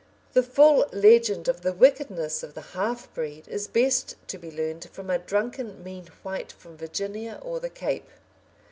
The full legend of the wickedness of the half breed is best to be learnt from a drunken mean white from Virginia or the Cape.